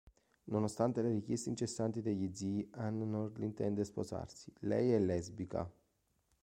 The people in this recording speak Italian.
Nonostante le richieste incessanti degli zii, Anne non intende sposarsi: lei è lesbica.